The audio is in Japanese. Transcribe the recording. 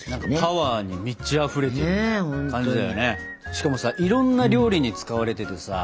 しかもさいろんな料理に使われててさ。